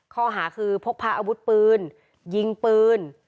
ข้อหาคือพกพาอาวุธปืนยิงปืน